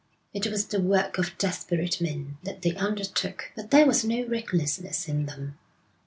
It was the work of desperate men that they undertook, but there was no recklessness in them.